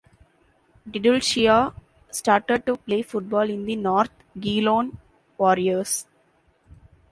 Didulica started to play football in the North Geelong Warriors.